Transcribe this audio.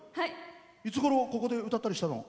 いつごろ、ここで歌ったりしたの？